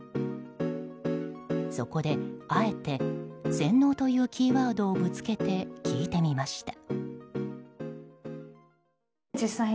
そこで、あえて洗脳というキーワードをぶつけて聞いてみました。